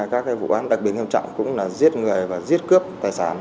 các vụ án đặc biệt nghiêm trọng cũng là giết người và giết cướp tài sản